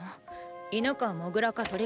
犬かモグラか鳥か？